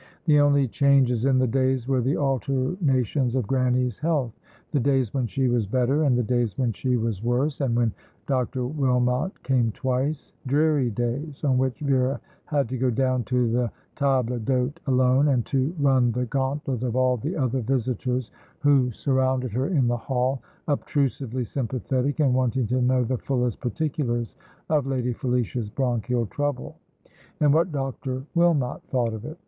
The only changes in the days were the alternations of Grannie's health, the days when she was better, and the days when she was worse, and when Dr. Wilmot came twice dreary days, on which Vera had to go down to the table d'hôte alone, and to run the gauntlet of all the other visitors, who surrounded her in the hall, obtrusively sympathetic, and wanting to know the fullest particulars of Lady Felicia's bronchial trouble, and what Dr. Wilmot thought of it.